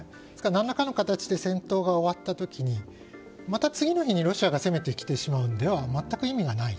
何らかの形で戦争が終わった時にまた次の日にロシアが攻めてきてしまうのは全く意味がない。